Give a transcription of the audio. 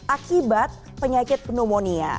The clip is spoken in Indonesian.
akibat penyakit pneumonia